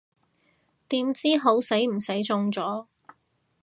點知好死唔死中咗